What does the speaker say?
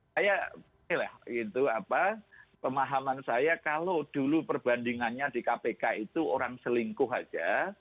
tapi ini lah itu apa pemahaman saya kalau dulu perbandingannya di kpk itu orang selingkuh saja